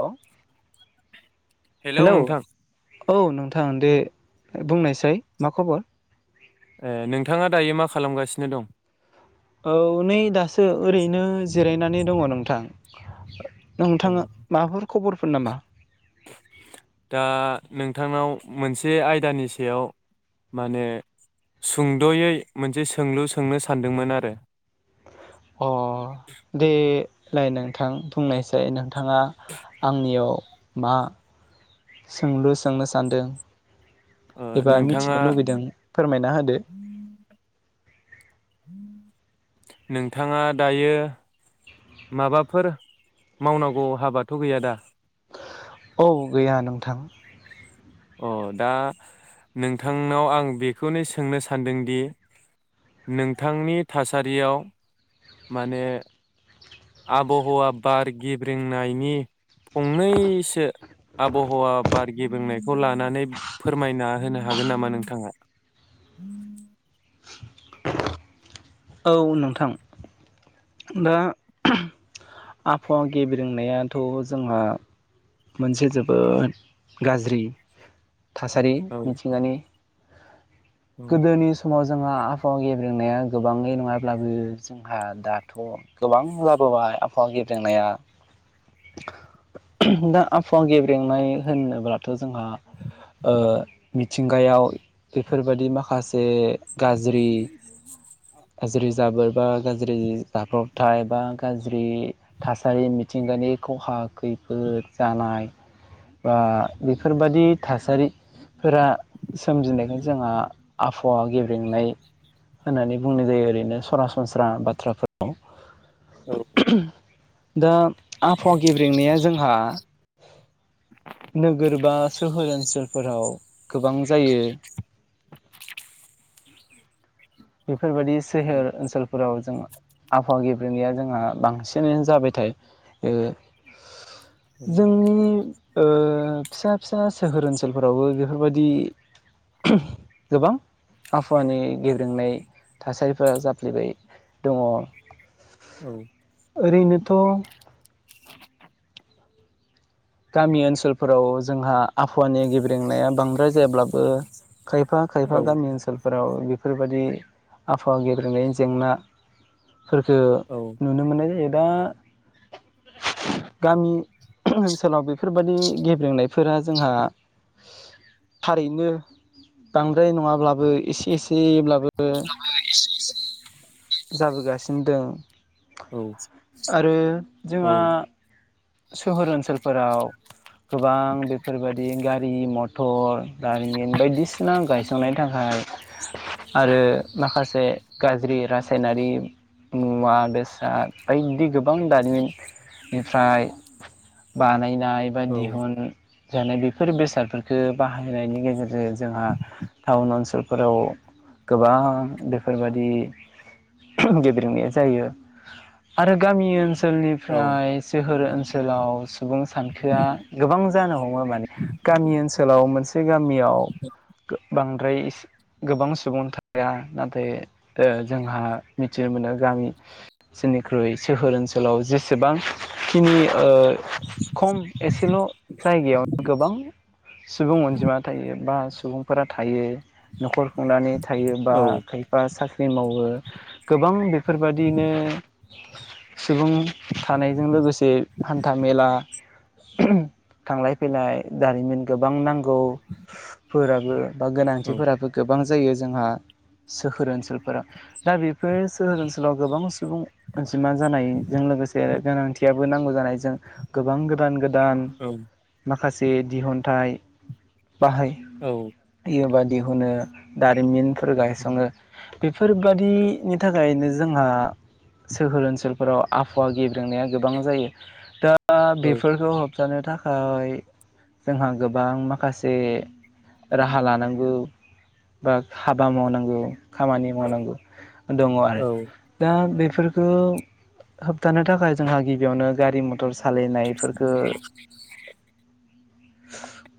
Hello hello औ नोंथां दे बुंनायसाय मा खबर ए नोंथाङा दायो मा खालामगासिनो दं औ नै दासो ओरैनो जिरायनानै दङ नों नोंथां औ नोंथाङा माबाफोर खबर फुरनमा [unintelligible] दा नोंथांनाव मोनसे आयदानि सायाव माने सुंद'यै मोनसे सोंलु सोंनो सानदोंमोन आरो अ दे लाइ नोंथां बुंनायसै नोंथाङा आंनियाव मा सोंलु सोंनो सानदों ओ एबा नोंथाङा मिथिनो लुुबैदों फोरमायना होदो। नोंथाङा दायो माबाफोर मावनांगौ हाबाथ' गैया दा? औ गैया नोंथां। अ दा नोंथांनाव आं बेखौनो सोंनो सानदोंदि नोंथांनि थासारियाव माने आबहावा बार गिब्रंनायनि फंनैसो आबहावा बार गेबेंनायखौ लानानै फोरमायना होनो हागोन नामा नोंथाङा औ नोंथां दा ओम आबहावा गेब्रेंनायाथ' जोंहा मोनसे जोबोद गाज्रि। थासारि औ मिथिंगानि औ गोदोनि समाव जों जोंहा आबहाव गेब्रेंनाया गोबाङै नङाब्लाबो जोंहा दा थ' गोबां जाबोबाय आबहावा गेब्रेंनाया दा आबहावा गेब्रेंनाय होनोब्लाथ' जोंहा मिथिंगायाव बेफोरबायदि माखासे से गाज्रि जाबोरबा गाज्रि जाब्रबथाय बा गाज्रि थासारि मिथिंगानि खहा खैफोद जानाय बा बेफोरबादि थासारिफोरा सोमजिनायखौ जोंहा आबहावा गेब्रेंनाय होननानै बुंनाय जायो ओरैनो सरासनस्रा बाथ्रायाव औ [inaudible] दा आबहावा गेब्रेंनाया जोंहा नोगोर बा सोहोर ओनसोलफोराव गोबां जायो। बेफोरबायदि सोहोर ओनसोल फोराव जों आबहावा गेब्रेनाया जोंहा बांसिनैनो जाबायथायो ओ जोंनि ओ फिसा फिसा सोहोर ओनसोलफोरावबो बेफोरबादि गोबां आबहावानि गे ब्रेंनाय थासारिफोरा जाफ्लेबाय दङ औ ओरैनोथ [inaudible] गामि ओनसोलफोराव जोंहा आबहावानि गेब्रेंनाया बांद्राय जायाब्लाबो खायफा खायफा गामि ओनसोल फोराव इफोरबायदि आबहावा गेब्रेनायनि जेंना फोरखो औ नुनो मोननाय जायो। दा गामि ओनसो लाव बेफोरबादि गेब्रेंनाय फोरा जोंहा थारैनो बांद्राय नङाब्लाबो एसे एसेब्लाबो [unintelligible] [inaudible] जाबोगासिनो दं औ आरो जोंहा सोहोर ओनसोल फोराव गोबां बेफोरबायदि गारि म थ' दारिमिन बायदिसिना गायसंनाय थाखाय आरो माखासे गाज्रि रासायनारि मुवा बेसाद बायदि गोबां दारिमिननिफ्राय बानाय नाय बा औ दिहुन जानाय बेफोर बेसादफोरखो बाहायनायनि गेजेरजों जोंहा टाउन ओनसोलफोराव गोबां बेफोरबायादि गेब्रेंनाय जायो आरो गामि ओन औ सोलनिफ्राय जोहोर ओनसो आवस सुबुं सानखोआ गोबां जानो हमो माने गामि ओनसोलाव मोनसे गामियाव गो बां द्राय गोबां सुबुं थाया नाथाय ओ जोंहा मिथिनो मोनो गामि ओनसोलनिख्रुइ सोहोर ओनसोलाव जेसेबांखिनि ओ खम एसेल जायगायाव गोबां सुबुं अनजिमा थायो बा सुबुंफोरा थायो नखर खुंनानै थायो बा खायफा सा ख्रि मावो गोबां बेफोरबादिनो सुबुं थानायजों लोगोसे हान्था मेला थांलाय फैलाय दारिमिन गोबां नांगौ फोराबो बा औ गोनांथिफोराबो गोबां जायो जोंहा सोहोर ओनसोलफोरा दा बेफोर सोहोर ओनसोलाव गोबां सुबुं अन जिमा जानायजों लोगोसे गोनांथियाबो नांगौ जानाय जों गोबां गोदान गोद दान मा खासे दिहुनथाइ औ बाहाययो बाद दिहुनो दारिमिन फोर गायसङो बेफोरबादिनि थाखायनो जोंहा सोहोर ओनसोलफोराव आबहावा गेब्रेंनाया गोबां जायो। दा दा बेफोरखौ होबथानो थाखा जोंहा गोबां माखासे राहा लानांगौ बा हाबा मावनांगौ। खामानि मावनांगौ दङ आरो दा बे फोरखौ होबथानो थाखाय जोंहा गिबियावनो गारि मटर सालानायफोरखो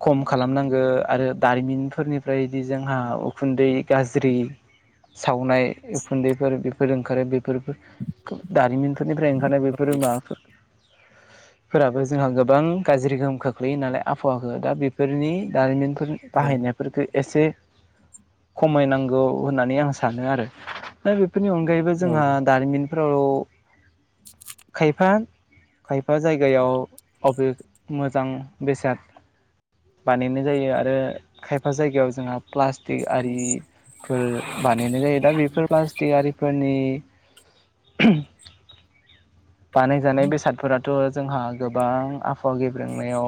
खम खालामनांगो आरो दारिमिनफोरनिफ्राय बिदि जोंहा उखुन्दै गाज्रि सावनाय उखुन्दैफोर बेफोर ओंखारो बेफोर दारिमिन बेफोरनिफ्राय ओंखारनाय बेफोर माबाफोर फोराबो जोंहा गोबां गाज्रि गोहोम खोख्लैयो नालाय आबहावाखौो दा बेफोरनि दारिमिन फोर बाहायनायफोरखो एसे खमायनांगौ होननानै आं सानो आरो दा बे फोरनि अनगायैबो जोंहा दारिमिन फोराव खायफा खायफा जायगायाव अबे मोजां बेसाद बानायनाय जायो आरो खायफा जायगायाव जोंहा प्लास्टिक आरिफोर बानायनाय जायो दा बेफोर प्लास्टिक आरिफोरनि [inaudible] बानायजानाय बेस फोराथ' जोंहा गोबां आबहावा गेब्रेंनायाव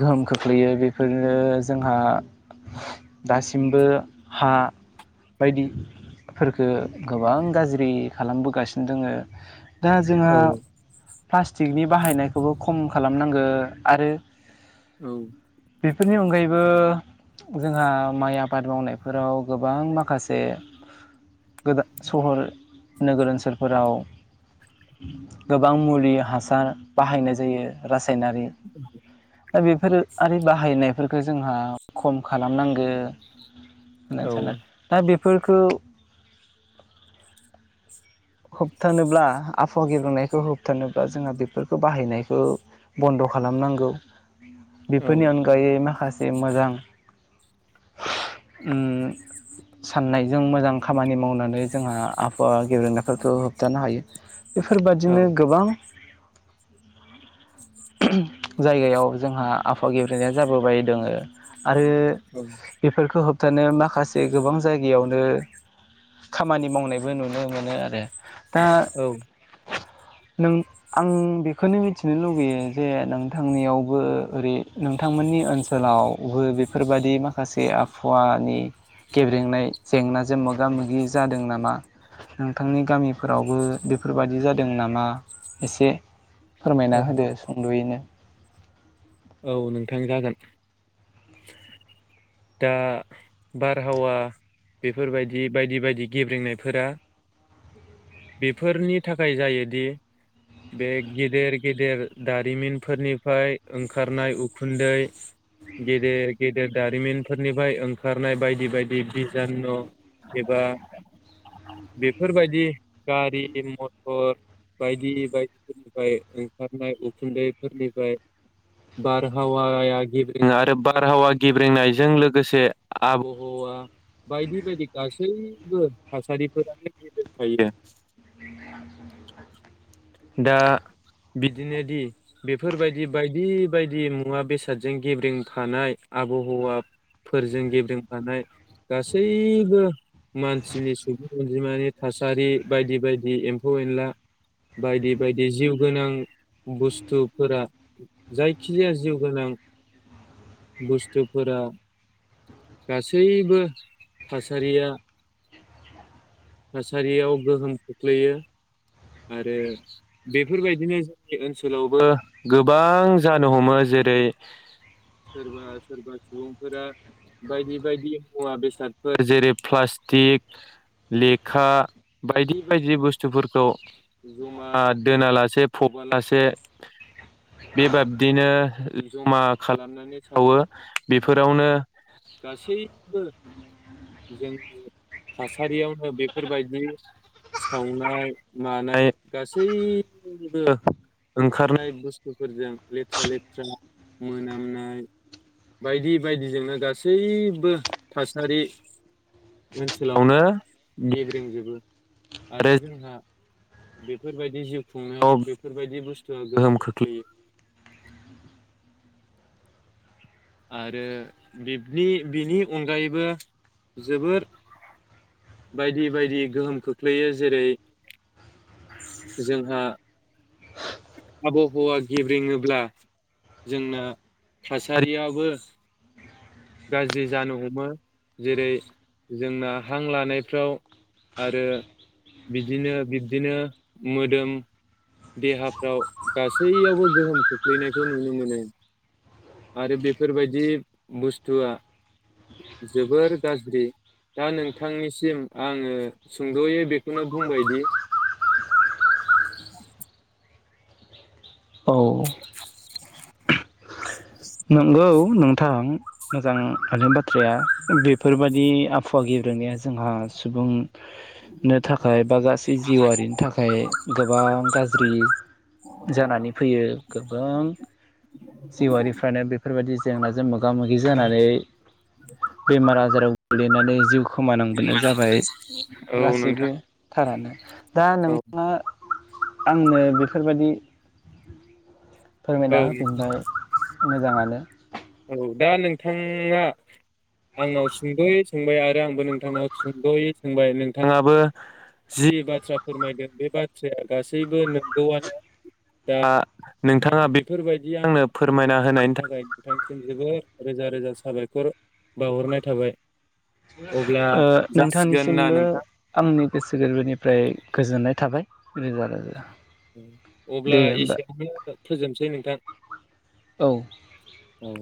गोहोम खोख्लैयो बेफोरनो जोंहा दासिमबो हा बायदिफोरखो गोबां गाज्रि खालामबोगासिनो दोङो। [inaudible] दा जोंहा प्लास्टिकनि बाहायनायखौबो खम खालामनांगो आरो बेफोरनि अनगायैबो जोंहा माइ आबाद मावनायफोराव गोबां माखासे गोदा सहर नोगोर ओनसोलफोराव गोबां मुलि हासार बाहायनाय जायो रा सायनारि। दा बेफोर आरि बाहायनायफोरखौ जोंहा खम खालामनांगो। [unintelligible] दा बे फोरखौ होबथानोब्ला आबहावा गेब्रेंनायखौ होबथानोब्ला जोंहा बेफोरखौ बाहायनायखौ बन्द' खालामनांगौ। औ बेफोरनि अनगायै माखा मोजां उम साननायजों मोजां खामानि मावनानै जोंहा आबहावा गेब्रेंनाय फोरफोरखौ होबथानो हायो। औ बेफोरबादिनो गोबां जायगायाव जोंहा आबहावा गेब्रेंनाया जाबोबाय दङो। आरो बेफोरखौ होब थानो माखासे गोबां जायगायावनो खामानि मावनायबो नुनो मोनो। आरो दा नों आं बेखौनो मिथिनो लुुबैयो जे नोंथांनियावबो ओरै नोंथांमोननि ओनसोलावबो बेफोरबादि माखासे आबहावानि गेब्रेंनाय जेंनाजों मोगा मोगि जादों नामा? नोंथांनि गामिफोरावबो बेफोरबायादि जादों नामा? एसे फोरमायना होदो सुंद'यैनो। औ नोंथां जागोन दा बारहावा बेफोरबायदि बायदि बायदि गेब्रेंनायफोरा बेफोरनि थाखाय जायोदि बे गेदेर गेदेर दारिमिनफोरनिफ्राय ओंखारनाय उखुन्दै गेदेर गेदेर दारिमिनफोरनिफ्राय ओंखारनाय बायदि बायदि बिजानु एबा बेफोरबायदि गारि-मटर बायदि बायदिफोरनिफ्राय ओंखारनाय उखुन्दैफोरनिफ्राय बारहावाया गेब्रेङो आरो बारहावा गेब्रेंनायजों लोगोसे आबहावा बायदि बायदि गासैबो थासारिफोरानो गेब्रेंखायो। दा बिदिनो दि बेफोरबायदि बायदि बायदि मुवा बेसादजों गेब्रें फानाय आबहावाफोरजों गेब्रें फानाय गासैबो मानसिनि सुबुं अनजिमानि थासारि बायदि बायदि एम्फौ-एनला बायदि बायदि जिउ गोनां बुस्थुफोरा जायखिजाया जिउ गोनां बुस्थुफोरा गासैबो थासारिया थासारियाव गोहोम खोख्लैयो। आरो बेफोरबायदिनो जोंनि ओनसोलावबो गोबां जानो हमो जेरै सोरबा सोरबा सुबुंफोरा बायदि बायदि मुवा बेसादफोर जेरै प्लास्टिक लेखा बायदि बायदि बुस्थुफोरखौ। जमा दोनालासे फबालासे बेबाबदिनो जमा खालामनानै सावो बेफोरावनो गासैबो जोंनि थासारियावनो बेफोरबायदि सावनाय मानाय गासैबो ओंखारनाय बुस्थुफोरजों लेथ्रा लेथ्रा मोनामनाय बायदि बायदिजोंनो गासैबो थासारि ओनसोलावनो गेब्रेंजोबो। आरो जोंहा बेफोरबायदि जिउ खुंनायाव बेफोरबायदि बुस्तुआ गोहोम खोख्लैयो। आरो बिबदि बिनि अनगायैबो जोबोर बायदि बायदि गोहोम खोख्लैयो जेरै जोंहा [inaudible] आबहावा गेब्रेङोब्ला जोंना थासारियाव बो गाज्रि जानो हमो जेरै जोंना हां लानायफ्राव आरो बिदिनो बिब्दिनो मोदोम देहाफ्राव गासैयावबो गोहोम खोख्लैनायखौ नुनो मोनो। आरो बे फोरबायदि बुस्थुआ जोबोर गाज्रि दा नोंथांनिसिम आङो सुंद'यै बेखौनो बुंबायदि। औ। [inaudible] नोंगौ नोंथां मोजां थारैनो बाथ्राया बेफोरबायदि आबहावा गेब्रेनाया जोंहा सुबुं नो थाखाय बा गासै जिउआरिनि थाखाय गोबां गाज्रि जानानै फैयो गोबां जिउआरि बेफोरबायदि जेंनाजों मोग गा मोगि जानानै बेमार आजाराव गोग्लैनानै जिउ खोमानांबोनो जाबाय औ नोंथां गासैबो थारैनो। दा औ नोंथाङा आंनो बेफोरबायदि औ फोरमायना होफिनबाय। मोजाङानो औ दा नोंथाङा आंनाव सुंद'यै सोंबाय आरो आंबो नोंथांनाव सुंद'यै सोंबाय नोंथाङाबो जि बाथ्रा फोरमायदों बे बाथ्राया गासैबो नंगौआनो दा नोंथाङा बेफोरबायदि आंनो फोरमायना होनायनि थाखाय नोंथांनिसिम जोबोर रोजा रोजा साबायखर बावहरनाय थाबाय। अब्ला ओ जासिगोन ना नोंथांनिसिमबो नोंथां आंनि गोसो गोरबोनिफ्राय गोजोननाय थाबाय। रोजा रोजा दे अब्ला होमबा एसेयावनो फोजोबसै नोंथां औ औ।